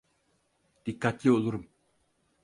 Dikkatli olurum.